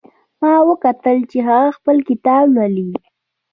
ما وکتل چې هغه خپل کتاب لولي